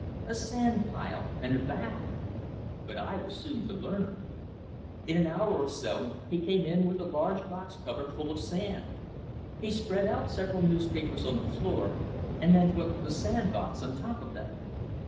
A sand pile, and a bath! But I was soon to learn. In an hour or so he came in with a large box cover full of sand. He spread out several newspapers on the floor, and then put the sand box on top of them.